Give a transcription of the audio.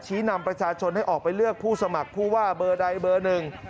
นำประชาชนให้ออกไปเลือกผู้สมัครผู้ว่าเบอร์ใดเบอร์หนึ่ง